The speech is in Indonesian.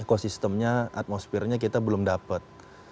eko sistemnya atmosfernya kita belum dapat